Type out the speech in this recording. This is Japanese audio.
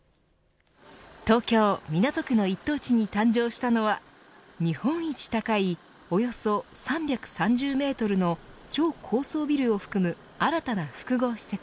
東京・港区の一等地に誕生したのは日本一高いおよそ３３０メートルの超高層ビルを含む新たな複合施設